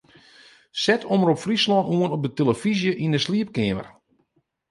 Set Omrop Fryslân oan op de tillefyzje yn 'e sliepkeamer.